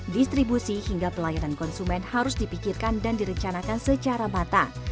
distribusi hingga pelayanan konsumen harus dipikirkan dan direncanakan secara matang